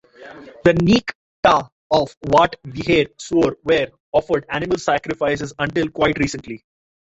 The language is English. The "neak ta" of Wat Vihear Suor were offered animal sacrifices until quite recently.